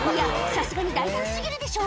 さすがに大胆過ぎるでしょ